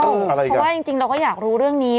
เพราะว่าจริงเราก็อยากรู้เรื่องนี้